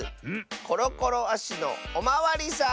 コロコロあしのおまわりさん」。